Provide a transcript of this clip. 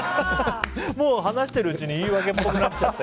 もう話してるうちに言い訳っぽくなっちゃって。